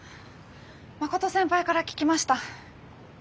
真琴先輩から聞きました。